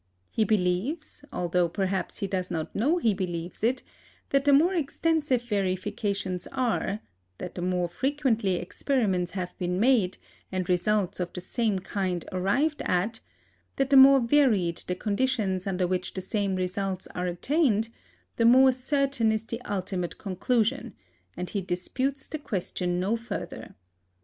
He believes, although perhaps he does not know he believes it, that the more extensive verifications are, that the more frequently experiments have been made, and results of the same kind arrived at, that the more varied the conditions under which the same results are attained, the more certain is the ultimate conclusion, and he disputes the question no further.